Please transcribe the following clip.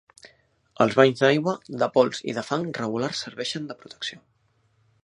Els banys d’aigua, de pols i de fang regulars serveixen de protecció.